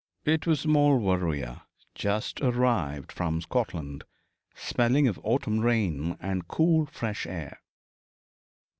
It was Maulevrier, just arrived from Scotland, smelling of autumn rain and cool fresh air.